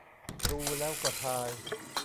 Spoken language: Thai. ดูแล้วก็ทาย